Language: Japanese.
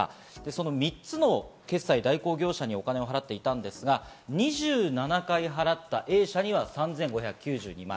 その３つの決済代行業者にお金を払っていたんですが、２７回払ったＡ社には３５９２万円。